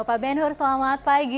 pak ben hur selamat pagi